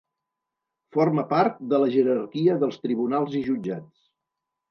Forma part de la jerarquia dels tribunals i jutjats.